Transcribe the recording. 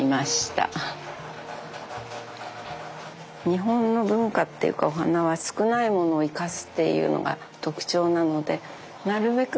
日本の文化っていうかお花は少ないものを生かすっていうのが特徴なのでなるべく